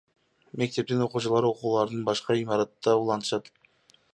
Мектептин окуучулары окууларын башка имаратта улантышат.